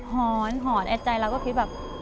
หอนหอนแอดใจเราก็คิดแบบ